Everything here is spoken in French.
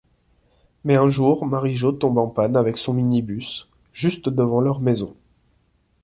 Mais un jour Marie-Jo tombe en panne avec son minibus, juste devant leur maison.